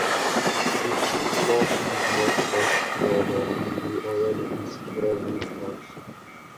The thief knot is much less secure than the already insecure reef knot.